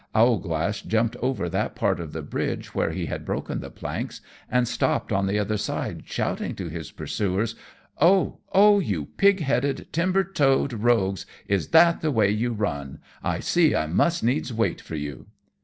Owlglass jumped over that part of the bridge where he had broken the planks, and stopped on the other side, shouting to his pursuers, "O! O! you pig headed timber toed rogues, is that the way you run? I see I must needs wait for you!"